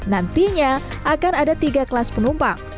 nantinya akan ada tiga kelas penumpang